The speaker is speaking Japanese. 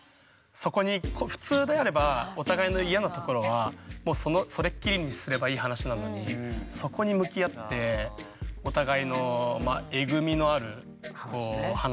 そこに普通であればお互いの嫌なところはもうそれっきりにすればいい話なのにそこに向き合ってお互いのえぐみのある話。